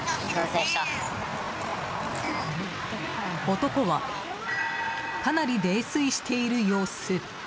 男はかなり泥酔している様子。